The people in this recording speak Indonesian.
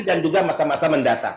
dan juga masa masa mendatang